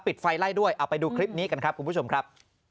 ปิดไฟไล่ด้วยเอาไปดูคลิปนี้กันครับคุณผู้ชมครับ